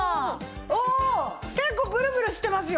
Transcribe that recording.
おお結構ブルブルしてますよ！